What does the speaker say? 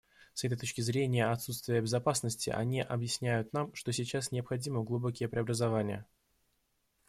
С этой точки зрения отсутствия безопасности они объясняют нам, что сейчас необходимы глубокие преобразования.